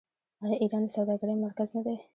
آیا ایران د سوداګرۍ مرکز نه دی؟